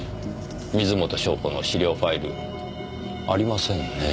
水元湘子の資料ファイルありませんねぇ。